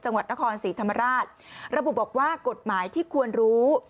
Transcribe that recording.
จังหวัดนครศรีธรรมราชระบุบอกว่ากฎหมายที่ควรรู้